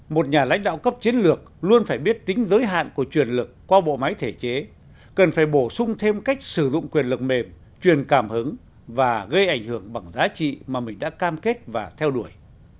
một nhà lãnh đạo cấp chiến lược luôn phải biết tính giới hạn của truyền lực qua bộ máy thể chế cần phải bổ sung thêm cách sử dụng quyền lực mềm truyền cảm hứng và gây ảnh hưởng bằng giá trị mà mình đã cam kết và theo đuổi